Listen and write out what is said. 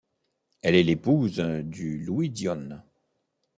Elle est l'épouse du Louis Dionne.